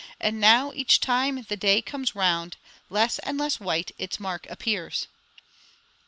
And now, each time the day comes round, Less and less white its mark appears.'"